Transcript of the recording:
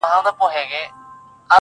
• ټولنه خپل عيب نه مني تل..